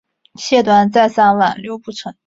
谢端再三挽留不成。